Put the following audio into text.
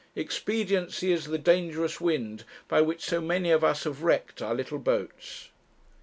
Expediency is the dangerous wind by which so many of us have wrecked our little boats.